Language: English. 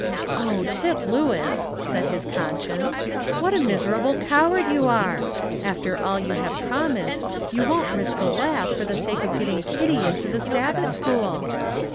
"Oh, Tip Lewis," said his conscience, "what a miserable coward you are! After all you have promised, you won't risk a laugh for the sake of getting Kitty into the Sabbath school!"